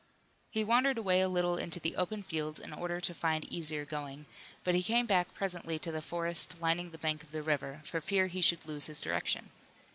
He wandered away a little into the open fields in order to find easier going, but he came back presently to the forest lining the bank of the river, for fear he should lose his direction.